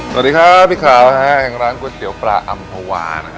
สวัสดีครับพี่ขาวแห่งร้านก๋วยเตี๋ยวปลาอัมพวา